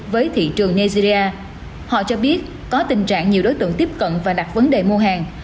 với thị trường nigeria họ cho biết có tình trạng nhiều đối tượng tiếp cận và đặt vấn đề mua hàng